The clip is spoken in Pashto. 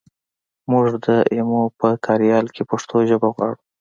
مونږ د ایمو په کاریال کې پښتو ژبه غواړو